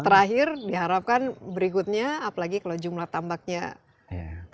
terakhir diharapkan berikutnya apalagi kalau jumlah tambaknya